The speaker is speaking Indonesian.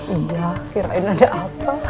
iya kirain ada apa